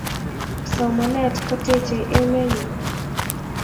Somanet ko techei emet nyoo